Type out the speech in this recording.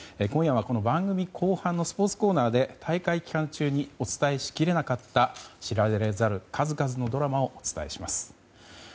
今夜はこの番組後半のスポーツコーナーで大会期間中にお伝えしきれなかった知られざる数々のドラマをお伝えします。